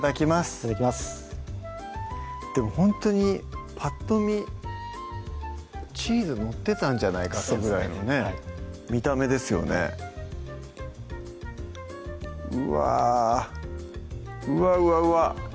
いただきますでもほんとにぱっと見チーズ載ってたんじゃないかってぐらいのね見た目ですよねうわうわうわうわ！